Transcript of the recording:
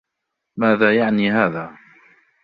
ماذا يعني هذا ؟